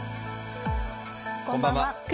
こんばんは。